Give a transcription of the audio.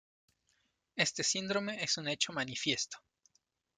Este síndrome es un hecho manifiesto.